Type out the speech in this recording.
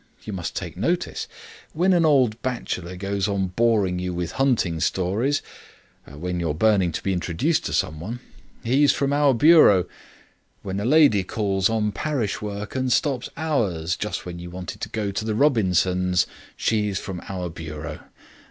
You just take notice. When an old bachelor goes on boring you with hunting stories, when you're burning to be introduced to somebody, he's from our bureau. When a lady calls on parish work and stops hours, just when you wanted to go to the Robinsons', she's from our bureau.